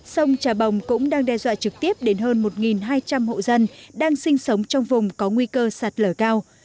sông trà bồng cũng đang đe dọa trực tiếp đến hơn một hai trăm linh hộ dân đang sinh sống trong vùng có nguy cơ sạt lở cao